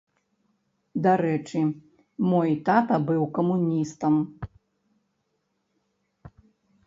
Дарэчы, мой тата быў камуністам.